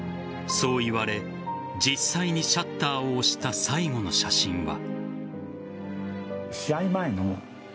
そう言われ実際にシャッターを押した最後の写真は。